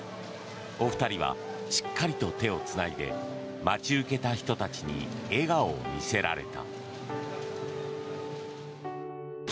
お二人はしっかりと手をつないで待ち受けた人たちに笑顔を見せられた。